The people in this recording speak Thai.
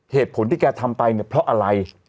เหตุผลที่แกทำไปเนี่ยเพราะอะไร